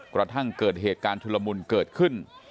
กระทั่งเกิดเหตุการณ์ชุลมุนเกิดขึ้น